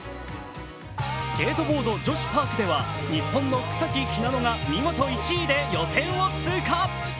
スケートボード女子パークでは日本の草木ひなのが見事１位で予選を通過。